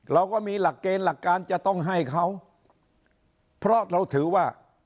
เราก็มีหลักเกณฑ์หลักการจะต้องให้เขาเพราะเราถือว่า